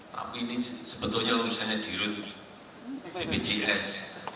tapi ini sebetulnya urusannya dirut bpjs